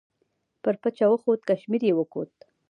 پر پچه وخوت، کشمیر یې وکوت.